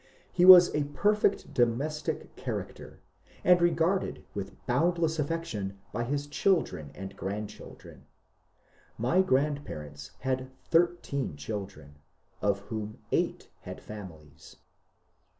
He was a perfect domestic char acter, and regarded with boundless affection by his children and grandchildren. My grandparents had thirteen children, of whom eight had families.